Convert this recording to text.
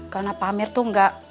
karena pak amir tuh gak